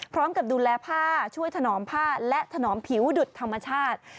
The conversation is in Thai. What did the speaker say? พร้อมกับดูแลผ้าช่วยถนอมผ้าและถนอมผิวดุดธรรมชาติ